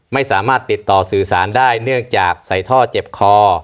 ไม่สามารถติดต่อสื่อสารได้เนื่องจากใส่ท่อเจ็บคอ